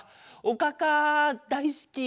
おかか大好き。